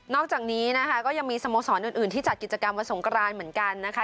อกจากนี้นะคะก็ยังมีสโมสรอื่นที่จัดกิจกรรมวันสงครานเหมือนกันนะคะ